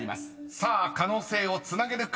［さあ可能性をつなげるか？